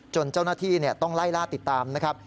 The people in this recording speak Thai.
เจ้าหน้าที่ต้องไล่ล่าติดตามนะครับ